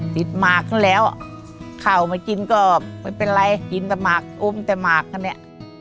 ติดมากแล้วเข้ามากินก็ไม่เป็นไรกินแต่มากอุ้มแต่มากค่ะเนี่ย